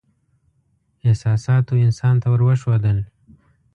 احساساتو انسان ته ور وښودل.